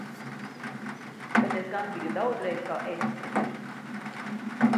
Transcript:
Bet es gan biju daudzreiz kā ezis pret viņu!